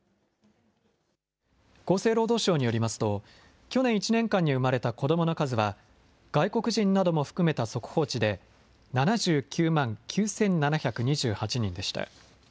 厚生労働省によりますと、去年１年間に生まれた子どもの数は、外国人なども含めた速報値で７９万９７２８人でした。